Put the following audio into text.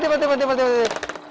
aduh aduh aduh